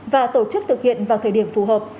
và tổ chức thực hiện vào thời điểm phù hợp